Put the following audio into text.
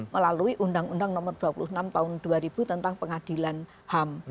melalui undang undang nomor dua puluh enam tahun dua ribu tentang pengadilan ham